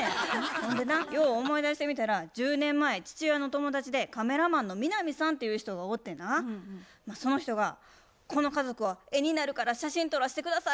ほんでなよう思い出してみたら１０年前父親の友達でカメラマンの南さんっていう人がおってなその人が「この家族は絵になるから写真撮らして下さい」